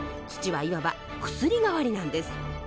土はいわば薬代わりなんです。